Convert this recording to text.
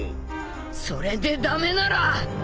それで駄目なら。